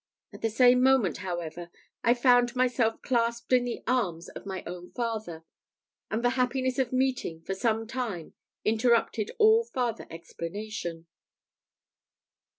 At the same moment, however, I found myself clasped in the arms of my own father, and the happiness of meeting, for some time, interrupted all farther explanation.